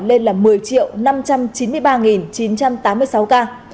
lên là một mươi năm trăm chín mươi ba chín trăm tám mươi sáu ca